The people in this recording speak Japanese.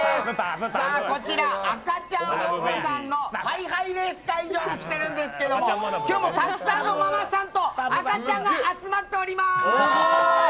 こちら、アカチャンホンポさんのハイハイレース会場に来ているんですけども今日もたくさんのママさんと赤ちゃんが集まっております！